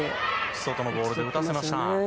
外のボールで打たせました。